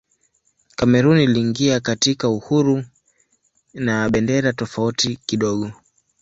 Kamerun iliingia katika uhuru na bendera tofauti kidogo.